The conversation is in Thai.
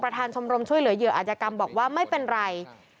ชมรมช่วยเหลือเหยื่ออาจยกรรมบอกว่าไม่เป็นไร